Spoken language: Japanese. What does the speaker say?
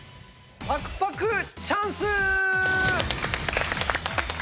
パクパクチャンス！